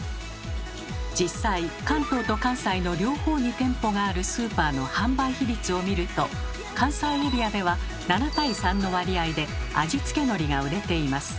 実際関東と関西の両方に店舗があるスーパーの販売比率を見ると関西エリアでは７対３の割合で味付けのりが売れています。